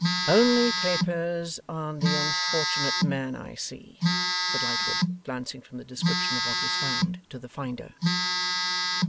'Only papers on the unfortunate man, I see,' said Lightwood, glancing from the description of what was found, to the finder.